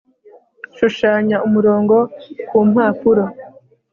Shushanya umurongo ku mpapuro